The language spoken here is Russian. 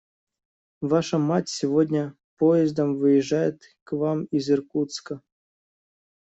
Ваша мать сегодня поездом выезжает к вам из Иркутска.